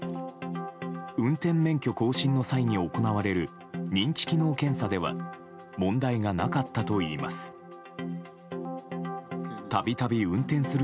運転免許更新の際に行われる認知機能検査では問題がなかったといいます。